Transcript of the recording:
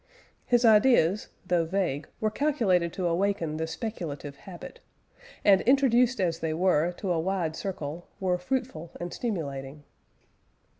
His ideas, though vague, were calculated to awaken the speculative habit, and, introduced as they were, to a wide circle, were fruitful and stimulating.